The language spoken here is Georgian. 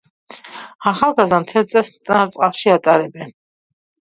ახალგაზრდა მთელ წელს მტკნარ წყალში ატარებენ.